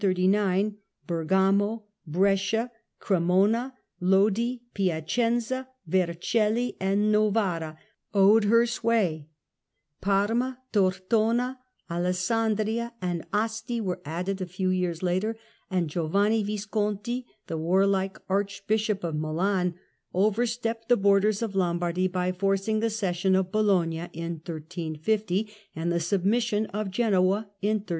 In 1339 Bergamo, Brescia, Cremona, Lodi, Piacenza, Vercelli and Novara owned her sway ; Parma, Tortona, Alessandria and Asti were added a few years later, and Giovanni Visconti, the warlike Archbishop of Milan, overstepped the borders of Lombardy, by forcing the cession of Bologna in 1350, and the submission of Genoa in 1353.